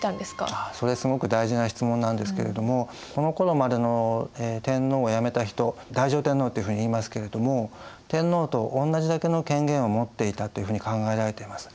それすごく大事な質問なんですけれどもこのころまでの天皇を辞めた人太上天皇っていうふうにいいますけれども天皇と同じだけの権限を持っていたというふうに考えられています。